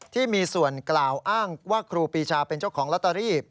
ที่มีส่วนกล่าวอ้างว่าครูปีชาเป็นเจ้าของลอตเตอรี่